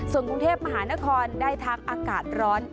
ส่วนกรุงเทพมหานครได้ทั้งอากาศร้อน